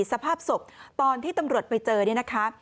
สภาพศพตอนที่ตำรวจไปเจอเนี่ยนะคะ